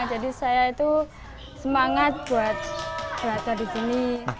jadi saya itu semangat buat belajar disini